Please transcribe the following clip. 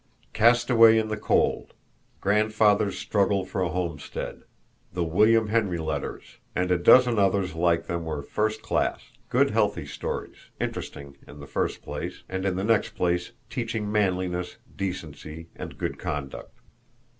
"Cast Away in the Cold," "Grandfather's Struggle for a Homestead," "The William Henry Letters," and a dozen others like them were first class, good healthy stories, interesting in the first place, and in the next place teaching manliness, decency, and good conduct.